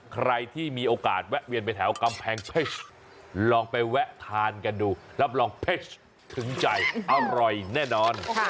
ใครที่มีโอกาสแวะเวียนไปแถวกำแพงเพชรลองไปแวะทานกันดูรับรองเพชรถึงใจอร่อยแน่นอน